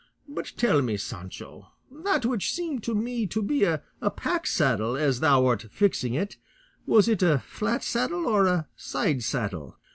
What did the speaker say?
But tell me, Sancho, that which seemed to me to be a pack saddle as thou wert fixing it, was it a flat saddle or a side saddle?"